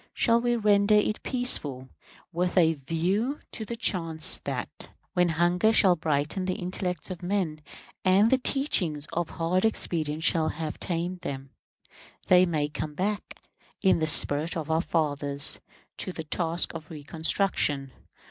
Shall we render it peaceful, with a view to the chance that, when hunger shall brighten the intellects of men, and the teachings of hard experience shall have tamed them, they may come back, in the spirit of our fathers, to the task of reconstruction?